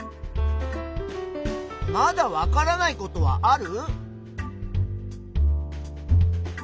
まだわからないことはある？